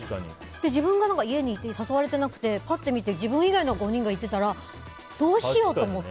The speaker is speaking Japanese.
自分が家にいて、誘われてなくてパッと見て自分以外の５人が行ってたらどうしようって思って。